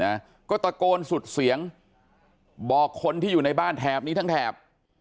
นะก็ตะโกนสุดเสียงบอกคนที่อยู่ในบ้านแถบนี้ทั้งแถบ